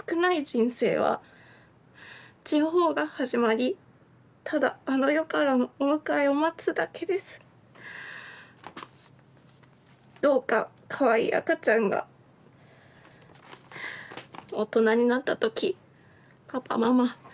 人生は痴呆が始まり唯あの世からのお迎えを待つだけですどうか可愛いい赤ちゃんが大人になった時パパママ